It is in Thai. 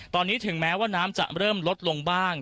ตอนนี้ถึงแม้ว่าน้ำจะเริ่มลดลงบ้าง